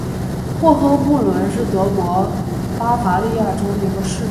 霍亨布伦是德国巴伐利亚州的一个市镇。